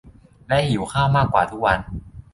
และหิวข้าวมากกว่าทุกวัน